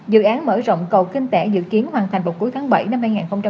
dự án mở rộng cầu kinh tẻ dự kiến hoàn thành vào cuối tháng bảy năm hai nghìn hai mươi